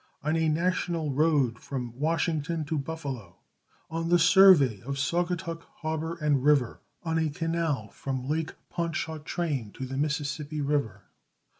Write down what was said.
On a national road from Washington to Buffalo. On the survey of Saugatuck Harbor and River. On a canal from Lake Pont Chartrain to the Mississippi River.